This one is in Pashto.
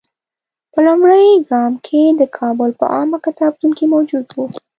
په لومړي ګام کې د کابل په عامه کتابتون کې موجود وو.